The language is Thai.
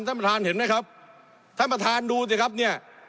ท่านประธานเห็นไหมครับท่านประธานดูสิครับเนี่ย